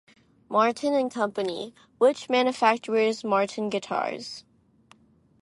Martin and Company, which manufactures Martin guitars.